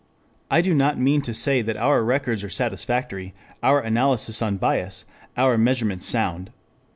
I do not mean to say that our records are satisfactory, our analysis unbiased, our measurements sound.